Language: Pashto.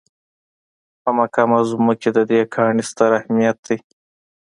په مکه معظمه کې د دې کاڼي ستر اهمیت دی.